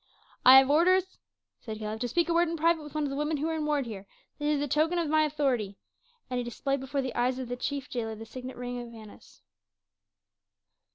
"I have orders," said Caleb, "to speak a word in private with one of the women who are in ward here; this is the token of my authority," and he displayed before the eyes of the chief jailer the signet ring of Annas.